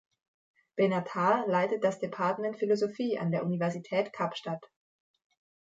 Benatar leitet das Department Philosophie an der Universität Kapstadt.